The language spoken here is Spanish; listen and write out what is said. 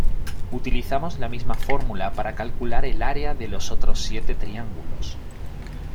Utilizamos la misma fórmula para calcular el área de los otros siete triángulos.